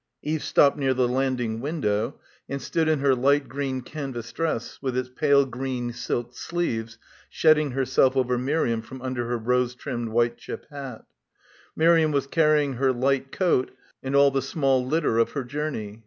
Eve stopped near the landing window and stood in her light green canvas dress with its pale green silk sleeves shedding herself over Miriam from under her rose trimmed white chip hat. Miriam — 208 — BACKWATER was carrying her light coat and all the small litter of her journey.